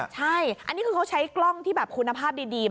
ใช่อันนี้คือเขาใช้กล้องที่แบบคุณภาพดี